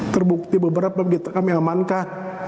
terbukti beberapa begitu kami amankan